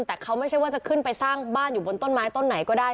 แต่เขาไม่ใช่ว่าจะขึ้นไปสร้างบ้านอยู่บนต้นไม้ต้นไหนก็ได้